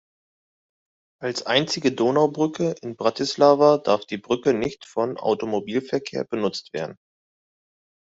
Als einzige Donaubrücke in Bratislava darf die Brücke nicht vom Automobilverkehr benutzt werden.